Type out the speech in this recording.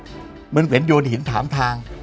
เหมือนโยนหินถามทาง